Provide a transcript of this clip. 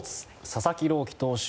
佐々木朗希投手